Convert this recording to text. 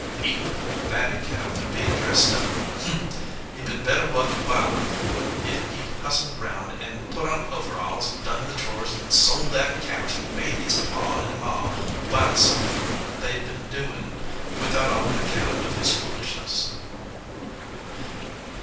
"Eatin a fatted calf, an bein dressed up. Hm ! He d been better wuth while if he d hustled round an put on overalls, an done the chores, an sold that calf an made his pa and ma buy somethin they d been doin without on ac count of his foolishness."